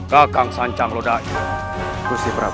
kakang sancang lodak kursi pram